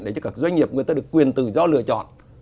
để cho các doanh nghiệp người ta được quyền tự do lựa chọn